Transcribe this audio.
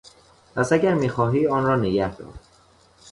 پس اگر میخواهی آن را نگهدار.